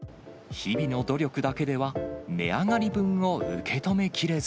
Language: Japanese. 日々の努力だけでは、値上がり分を受け止めきれず。